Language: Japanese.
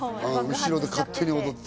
後ろで勝手に踊って。